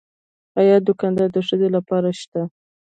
د خیاطۍ دوکانونه د ښځو لپاره شته؟